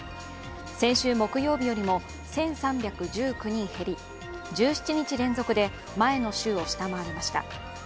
先週木曜日よりも１３１９人減り１７日連続で前の週を下回りました。